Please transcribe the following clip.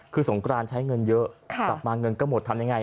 คือสงกรานใช้เงินเยอะกลับมาเงินก็หมดทำยังไง